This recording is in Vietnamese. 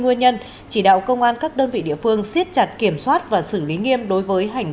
nguyên nhân chỉ đạo công an các đơn vị địa phương siết chặt kiểm soát và xử lý nghiêm đối với hành